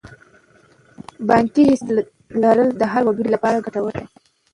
بانکي حساب لرل د هر وګړي لپاره ګټور دی.